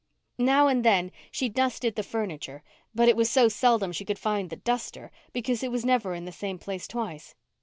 Now and then she dusted the furniture—but it was so seldom she could find the duster because it was never in the same place twice.